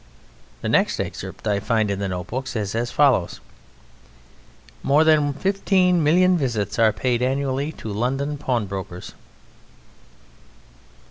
The next excerpt I find in the notebook is as follows: "More than 15,000,000 visits are paid annually to London pawnbrokers.